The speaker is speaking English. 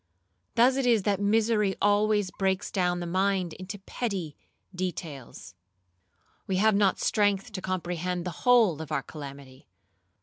Thus it is that misery always breaks down the mind into petty details. We have not strength to comprehend the whole of our calamity.